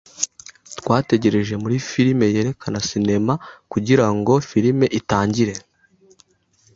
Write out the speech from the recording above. Twategereje muri firime yerekana sinema kugirango film itangire.